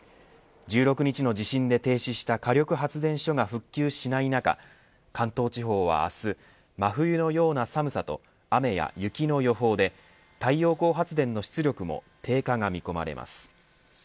１６日の地震で停止した火力発電所が復旧しない中、関東地方は明日真冬のような寒さと雨や雪の予報で太陽光発電の出力も低下が見込まれます。